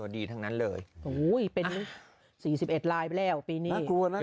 ดีทั้งนั้นเลยโอ้ยเป็นสี่สิบเอ็ดลายไปแล้วปีนี้น่ากลัวน่ากลัว